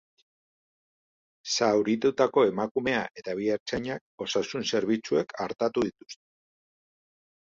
Zauritutako emakumea eta bi ertzainak osasun zerbitzuek artatu dituzte.